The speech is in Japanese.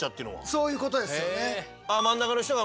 そういうことですよね。